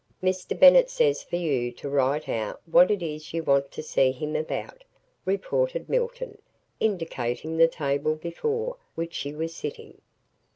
"Mr. Bennett says for you to write out what it is you want to see him about," reported Milton, indicating the table before which she was sitting.